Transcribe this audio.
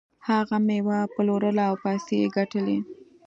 هغه میوه پلورله او پیسې یې ګټلې.